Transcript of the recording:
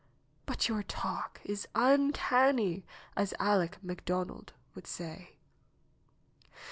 But your talk is uncanny, as Aleck McDonald would say."